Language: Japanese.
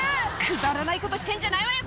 「くだらないことしてんじゃないわよ